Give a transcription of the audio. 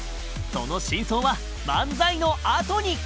その真相は漫才のあとに